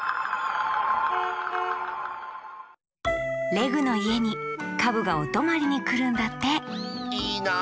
レグのいえにカブがおとまりにくるんだっていいな。